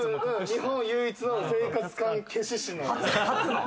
日本唯一の生活感消し士。